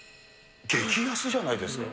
激安じゃないですか。